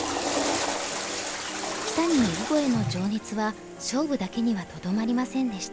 木谷の囲碁への情熱は勝負だけにはとどまりませんでした。